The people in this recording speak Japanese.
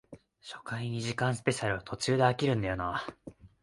初回二時間スペシャルは途中で飽きるんだよなあ